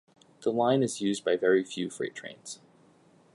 The line is used by very few freight trains.